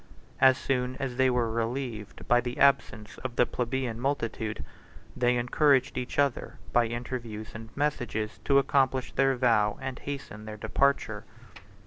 As soon as they were relieved by the absence of the plebeian multitude, they encouraged each other, by interviews and messages, to accomplish their vow, and hasten their departure.